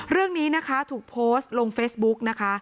เรื่องนี้นะคะถูกโพสต์ลงเฟซบุ๊กนะคะ